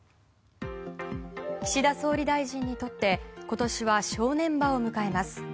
岸田総理大臣にとって今年は正念場を迎えます。